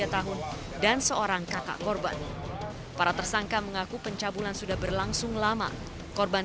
tiga tahun dan seorang kakak korban para tersangka mengaku pencabulan sudah berlangsung lama korban